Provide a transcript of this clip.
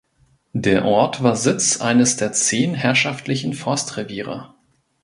Der Ort war Sitz eines der zehn herrschaftlichen Forstreviere.